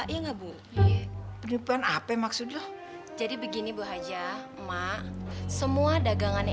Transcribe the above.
iya iya penipuan apa maksudnya jadi begini bu haja emak semua dagangannya